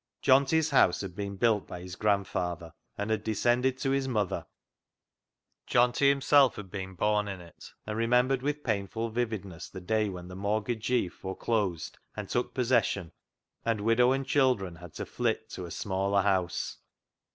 Johnty's house had been built by his grand father, and had descended to his mother. Johnty himself had been born in it, and re membered with painful vividness the day when the mortgagee foreclosed and took possession, and widow and children had to " flit " to a smaller house.